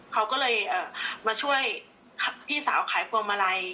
เขาก็เลยมาช่วยพี่สาวขายพวงมาลัย